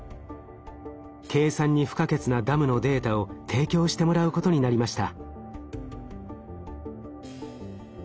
計算に不可欠なダムのデータを提供してもらうことになりました。